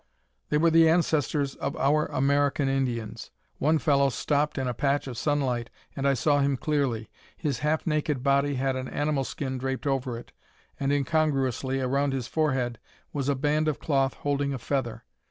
They were the ancestors of our American Indians. One fellow stopped in a patch of sunlight and I saw him clearly. His half naked body had an animal skin draped over it, and, incongruously, around his forehead was a band of cloth holding a feather.